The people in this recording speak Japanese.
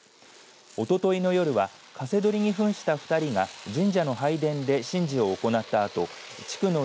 おとといの夜はカセドリにふんした２人が神社の拝殿で神事を行った後地区の家